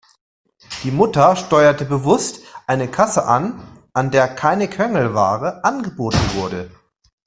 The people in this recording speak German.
Die Mutter steuerte bewusst eine Kasse an, an der keine Quengelware angeboten wurde.